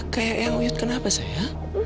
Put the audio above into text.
kayak yang uyut kenapa saya